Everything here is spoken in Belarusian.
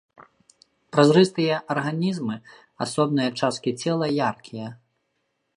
Празрыстыя арганізмы, асобныя часткі цела яркія.